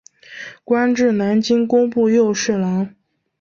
官至南京工部右侍郎。